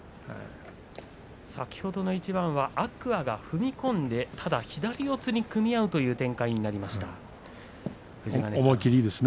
先ほどの一番は天空海が踏み込んでただ左四つに組み合うという展開になりました。